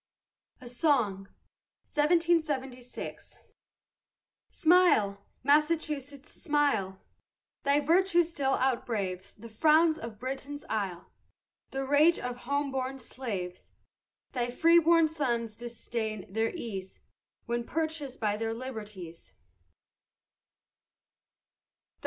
A SONG Smile, Massachusetts, smile, Thy virtue still outbraves The frowns of Britain's isle, The rage of home born slaves. Thy free born sons disdain their ease, When purchased by their liberties.